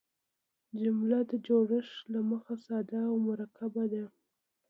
جمله د جوړښت له مخه ساده او مرکبه ده.